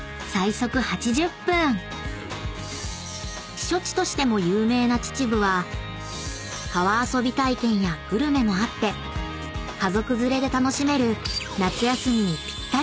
［避暑地としても有名な秩父は川遊び体験やグルメもあって家族連れで楽しめる夏休みにぴったりのスポット］